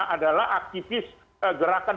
adalah aktivis gerakan